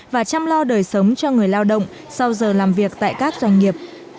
và chăm lo đời sống cho người lao động sau giờ làm việc tại các doanh nghiệp